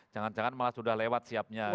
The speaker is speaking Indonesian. jangan jangan malah sudah lewat siapnya